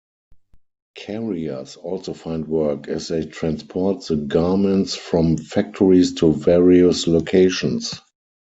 Carriers also find work as they transport the garments from factories to various locations.